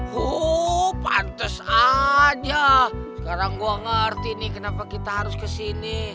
huh pantas aja sekarang gue ngerti nih kenapa kita harus kesini